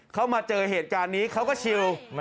เขามาเจอเหตุการณ์นี้เขาก็ชิว